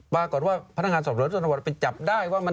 ปลากอดว่าพนักงานสอบหรือส่วนส่วนทวดไปจับได้ว่ามัน